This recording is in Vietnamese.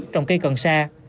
trong cây cần sa